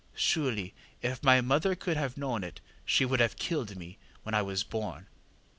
Surely if my mother could have known it she would have killed me when I was born!